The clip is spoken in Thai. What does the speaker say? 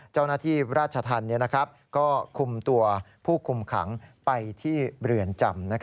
เจ้าหน้าที่ราชธรรมก็คุมตัวผู้คุมขังไปที่เรือนจำ